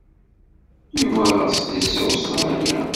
Yuba laṣel-is seg Ustṛalya.